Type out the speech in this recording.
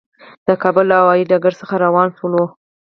د کابل له هوایي ډګر څخه روان شولو.